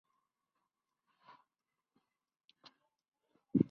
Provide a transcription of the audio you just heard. Ripon", y fue sepultado en Southampton.